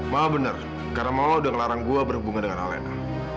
mama bener karena mama udah ngelarang gua berhubungan dengan elena